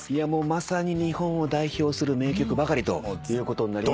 まさに日本を代表する名曲ばかりということになりますし。